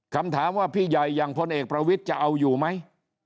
คำถามว่าพี่ใหญ่อย่างพลเอกประวิทย์จะเอาอยู่ไหม